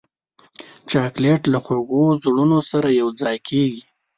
چاکلېټ له خوږو زړونو سره یوځای کېږي.